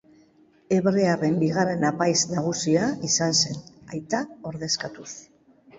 Hebrearren bigarren apaiz nagusia izan zen, aita ordezkatuz.